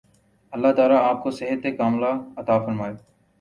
اللہ تعالی آپ کو صحت ِکاملہ عطا فرمائے